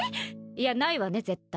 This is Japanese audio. いやないわね絶対